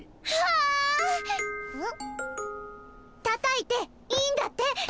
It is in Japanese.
たたいていいんだって！